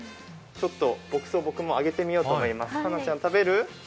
牧草、僕もあげてみようと思います